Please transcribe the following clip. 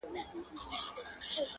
ه ویري ږغ کولای نه سم!